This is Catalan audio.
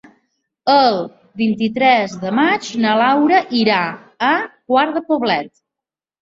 El vint-i-tres de maig na Laura irà a Quart de Poblet.